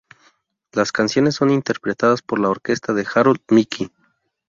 Las canciones son interpretadas por la orquesta de Harold Mickey.